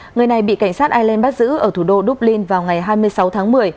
người này bị cảnh sát ireland bắt giữ ở thủ đô dublin vào ngày hai mươi sáu tháng một mươi